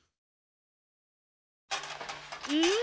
うん？